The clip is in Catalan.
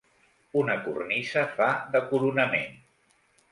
Una cornisa fa de coronament.